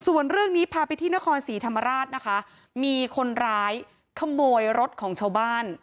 ส่วนเรื่องนี้พาไปที่นครศรีธรรมราชนะคะมีคนร้ายขโมยรถของชาวบ้าน